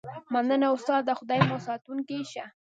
مننه استاده خدای مو ساتونکی شه